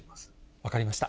分かりました。